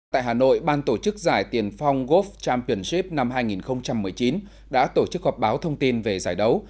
tại hà nội ban tổ chức giải tiền phong golf championship năm hai nghìn một mươi chín đã tổ chức họp báo thông tin về giải đấu